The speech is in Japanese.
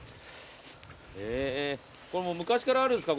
これ昔からあるんですか？